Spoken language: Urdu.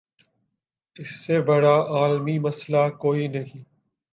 اس سے بڑا عالمی مسئلہ کوئی نہیں۔